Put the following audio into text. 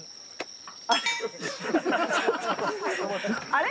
あれ？